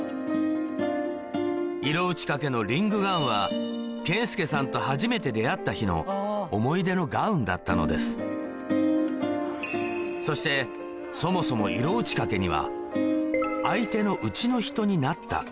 色打ち掛けのリングガウンは健介さんと初めて出会った日の思い出のガウンだったのですそしてそもそも色打ち掛けには「相手の家の人になった」